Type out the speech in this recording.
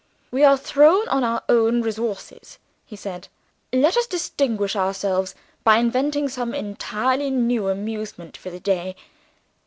"We are thrown on our own resources," he said. "Let us distinguish ourselves by inventing some entirely new amusement for the day.